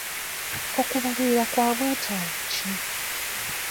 Okubalirira kwa bwetaavu ki?